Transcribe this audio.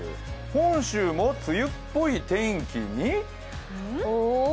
本州も梅雨っぽい天気に。